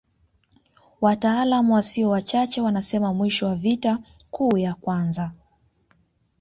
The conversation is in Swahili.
Wataalamu wasio wachache wanasema mwisho wa vita kuu ya kwanza